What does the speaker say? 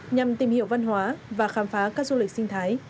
nhằm tìm hiểu văn hóa và khám phá các du lịch sinh thái